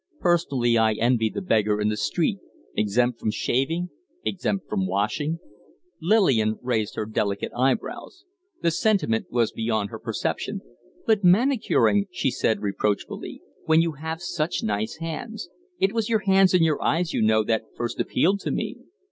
Personally, I envy the beggar in the street exempt from shaving, exempt from washing " Lillian raised her delicate eyebrows. The sentiment was beyond her perception. "But manicuring," she said, reproachfully, "when you have such nice hands. It was your hands and your eyes, you know, that first appealed to me."